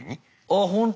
あっほんと？